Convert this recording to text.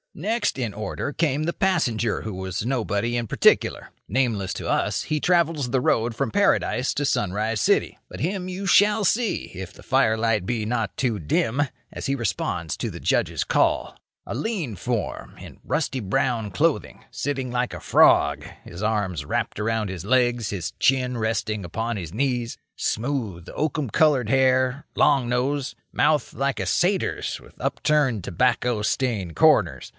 Next in order came the passenger who was nobody in particular. Nameless to us, he travels the road from Paradise to Sunrise City. But him you shall see, if the firelight be not too dim, as he responds to the Judge's call. A lean form, in rusty brown clothing, sitting like a frog, his arms wrapped about his legs, his chin resting upon his knees. Smooth, oakum coloured hair; long nose; mouth like a satyr's, with upturned, tobacco stained corners.